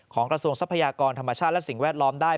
กระทรวงทรัพยากรธรรมชาติและสิ่งแวดล้อมได้